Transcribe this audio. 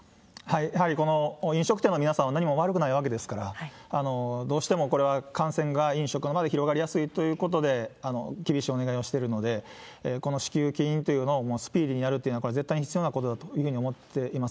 やはり飲食店の皆さんは何も悪くないわけですから、どうしてもこれは感染が飲食の場で広がりやすいということで厳しいお願いをしてるので、この支給金というのをもうスピーディーにやるというのはこれ、絶対に必要なことだというふうに思っています。